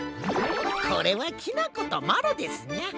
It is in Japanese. これはきなことまろですニャ。